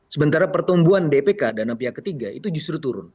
sementara pertumbuhan dpk dan apih ketiga itu justru turun